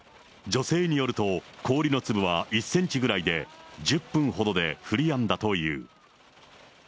女性によると、氷の粒は１センチぐらいで、１０分ほどで降りやんだという。